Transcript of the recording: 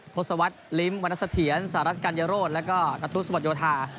ทศวรรษลิมวรรณสะเทียนสารัสกัญญโยโรธแล้วก็กระทุดสมัตยโทษา